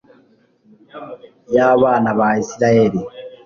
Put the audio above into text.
y'abana ba israheli